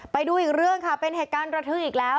ไปดูอีกเรื่องค่ะเป็นเหตุการณ์ระทึกอีกแล้ว